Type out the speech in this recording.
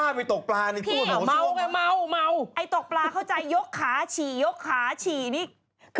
ได้ค่ะตกปลาก